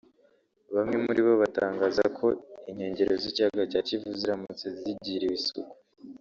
Bamwe muri bo batangaza ko inkengero z’ikiyaga cya Kivu ziramutse zigiriwe isuku